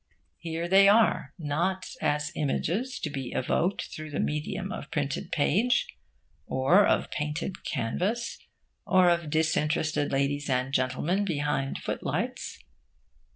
Here they are, not as images to be evoked through the medium of printed page, or of painted canvas, or of disinterested ladies and gentlemen behind footlights.